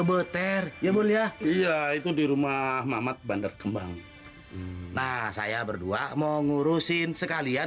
beter ya mulia iya itu di rumah mamat bandar kembang nah saya berdua mau ngurusin sekalian